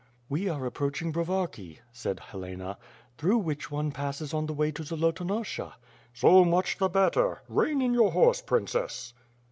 ..." "We are approaching Brovarki," said Helena, "through which one passes on the way to Zolotonosha." "So much the better. Rein in your horse, Princess."